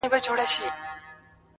ستا سومه، چي ستا سومه، چي ستا سومه.